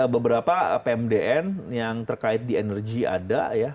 beberapa pmdn yang terkait di energi ada ya